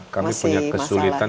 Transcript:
kami punya kesulitan